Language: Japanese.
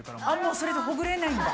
それでほぐれないんだ。